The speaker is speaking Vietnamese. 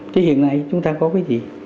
thế hiện nay chúng ta có cái gì